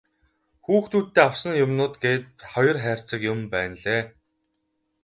Хүүхдүүддээ авсан юмнууд гээд хоёр хайрцаг юм байнлээ.